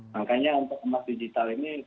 makanya untuk emas digital ini